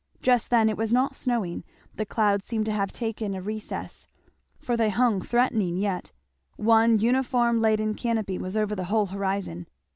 Just then it was not snowing; the clouds seemed to have taken a recess, for they hung threatening yet; one uniform leaden canopy was over the whole horizon.